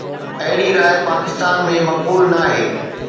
اهڙي راءِ پاڪستان ۾ مقبول ناهي.